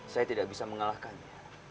saya tidak bisa mengalahkannya